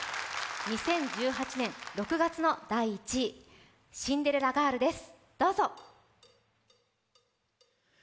２０１８年６月の第１位、「シンデレラガール」です。